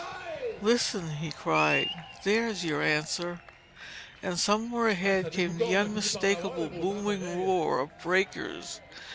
"Listen!" he cried. "There's your answer." From somewhere ahead came the unmistakable booming roar of breakers.